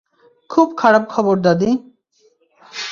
খুব খারাপ খবর দাদী।